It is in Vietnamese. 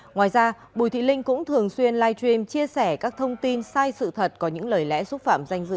ngoài ra bùi thị linh cũng thường xuyên live stream chia sẻ các thông tin sai sự thật có những lời lẽ xúc phạm danh dự